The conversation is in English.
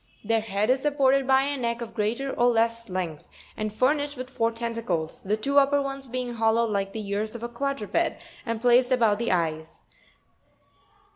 Their head is supported by a neck of greater or less length, and furnished with four tentacles (fig. 81, ¢), the two upper ones being hollowed like the ears of a quadruped, and placed above the eyes (y).